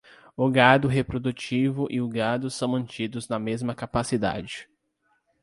O gado reprodutivo e o gado são mantidos na mesma capacidade.